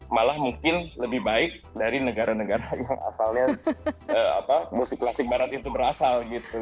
malah mungkin lebih baik dari negara negara yang asalnya musik klasik barat itu berasal gitu